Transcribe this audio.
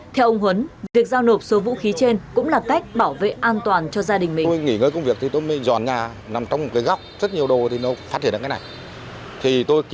theo ông huấn việc giao nộp số vũ khí trên cũng là cách bảo vệ an toàn cho gia đình mình